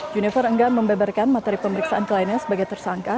junifer enggan membeberkan materi pemeriksaan kliennya sebagai tersangka